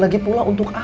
lagipula untuk apa sih